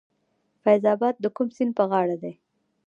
فیض اباد د کوم سیند په غاړه دی؟